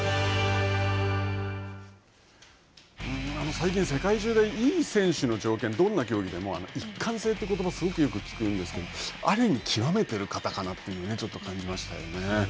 最近、世界中で、いい選手の条件、どんな競技でも、一貫性ということばをすごくよく聞くんですけど、ある意味極めている方かなと感じましたね。